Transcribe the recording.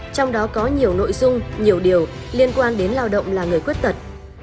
trong đó có nhiều nội dung nhiều điều liên quan đến lao động là người khuyết tật